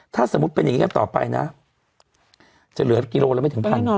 ถ้าสมมุติเป็นอย่างนี้กันต่อไปนะจะเหลือกิโลละไม่ถึงพัน